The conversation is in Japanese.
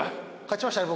勝ちましたね